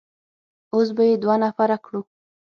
اوس به يې دوه نفره کړو.